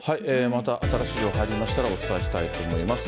また新しい情報が入りましたら、お伝えしたいと思います。